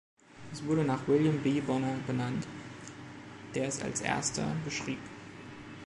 Es wurde nach William B. Bonnor benannt, der es als erster beschrieb.